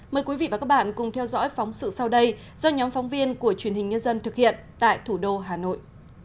mời quý vị và các bạn cùng theo dõi phóng sự sau đây do nhóm phóng viên của truyền hình nhân dân thực hiện tại thủ đô hà nội